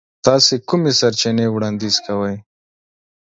تاسو کومې سرچینې وړاندیز کوئ؟